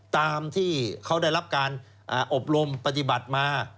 ตามที่เขาได้รับการอบรมปฏิบัติมา